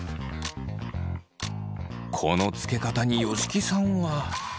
このつけ方に吉木さんは。